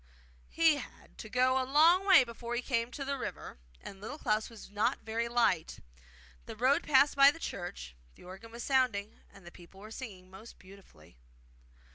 He had to go a long way before he came to the river, and Little Klaus was not very light. The road passed by the church; the organ was sounding, and the people were singing most beautifully.